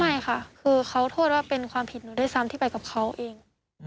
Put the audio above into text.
ไม่ค่ะคือเขาโทษว่าเป็นความผิดหนูด้วยซ้ำที่ไปกับเขาเอง